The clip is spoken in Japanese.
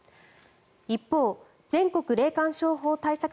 一方全国霊感商法対策